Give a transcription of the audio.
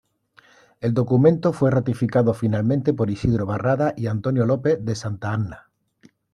El documento fue ratificado finalmente por Isidro Barradas y Antonio López de Santa Anna.